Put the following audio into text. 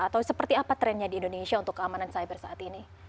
atau seperti apa trennya di indonesia untuk keamanan cyber saat ini